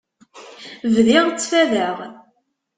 Bdiɣ ttfadeɣ.